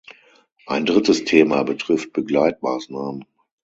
Ein drittes Thema betrifft Begleitmaßnahmen.